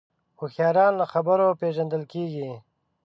هوښیاران له خبرو پېژندل کېږي